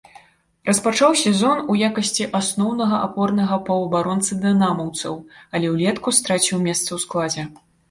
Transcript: Распачаў сезон у якасці асноўнага апорнага паўабаронцы дынамаўцаў, але ўлетку страціў месца ў складзе.